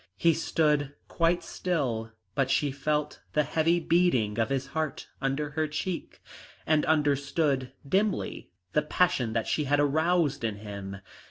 He stood quite still, but she felt the heavy beating of his heart under her cheek, and understood dimly the passion that she had aroused in him.